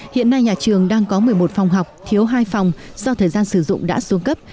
hiện nay nhà trường đang có một mươi một phòng học thiếu hai phòng do thời gian sử dụng đã xuống cấp